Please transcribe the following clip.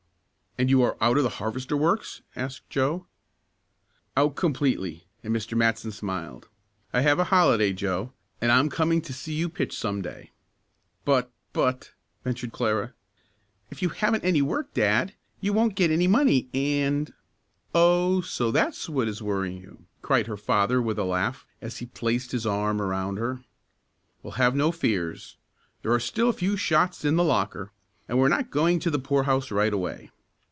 "And you are out of the harvester works?" asked Joe. "Out completely," and Mr. Matson smiled. "I have a holiday, Joe, and I'm coming to see you pitch some day." "But but," ventured Clara, "if you haven't any work, dad, you won't get any money and " "Oh, so that's what is worrying you!" cried her father with a laugh as he placed his arm around her. "Well, have no fears. There are still a few shots in the locker, and we're not going to the poorhouse right away.